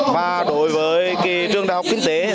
và đối với trường đại học kinh tế